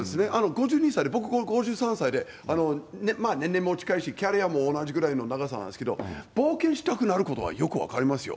５２歳で、僕、５３歳で年齢も近いし、キャリアも同じぐらいの長さなんですけど、冒険したくなることはよく分かりますよ。